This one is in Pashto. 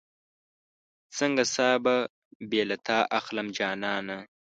څنګه ساه به بې له تا اخلم جانانه